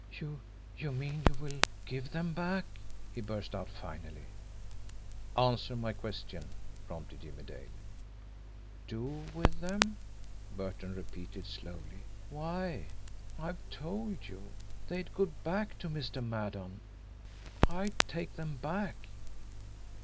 "You you mean you will give them back!" he burst out finally. "Answer my question," prompted Jimmie Dale. "Do with them?" Burton repeated slowly. "Why, I've told you. They'd go back to Mr. Maddon I'd take them back."